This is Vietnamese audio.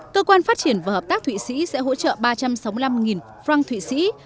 cơ quan phát triển và hợp tác thụy sĩ sẽ hỗ trợ ba trăm sáu mươi năm franc thụy sĩ